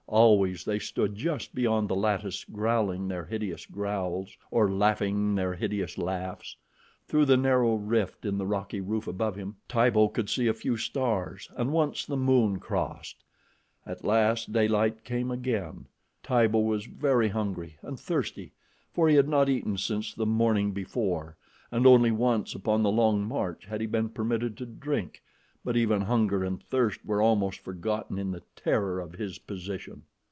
Always they stood just beyond the lattice growling their hideous growls or laughing their hideous laughs. Through the narrow rift in the rocky roof above him, Tibo could see a few stars, and once the moon crossed. At last daylight came again. Tibo was very hungry and thirsty, for he had not eaten since the morning before, and only once upon the long march had he been permitted to drink, but even hunger and thirst were almost forgotten in the terror of his position.